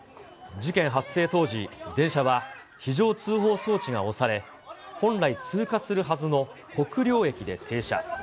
事件発生当時、電車は非常通報装置が押され、本来、通過するはずの、国領駅で停車。